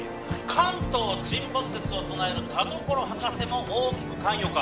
「関東沈没説を唱える田所博士も大きく関与か？」